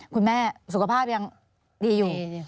คุณแม่สุขภาพยังดีอยู่